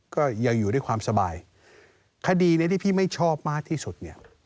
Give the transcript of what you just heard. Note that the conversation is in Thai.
ก็ยังอยู่ด้วยความสบายคดีนี้ที่พี่ไม่ชอบมากที่สุดเนี่ย